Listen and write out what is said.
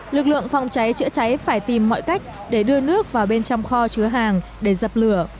lực lượng phòng cháy chữa cháy phải tìm mọi cách để đưa nước vào bên trong kho chứa hàng để dập lửa